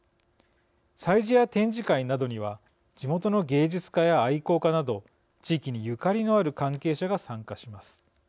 催事や展示会などには地元の芸術家や愛好家など地域にゆかりのある関係者が参加します。